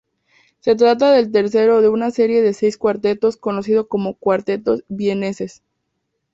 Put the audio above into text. Se trata del tercero de una serie de seis cuartetos, conocidos como "Cuartetos vieneses".